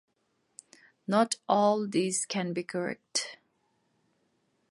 Not all these can be correct.